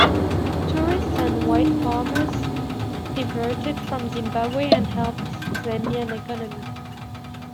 Tourists and white farmers diverted from Zimbabwe and helped Zambian economy.